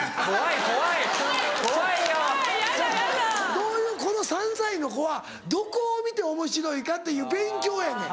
どういうこの３歳の子はどこを見ておもしろいかっていう勉強やねん。